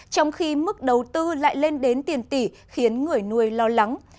trong khi mức đầu tư lại lên đến tiền tỷ khiến người nuôi lo lắng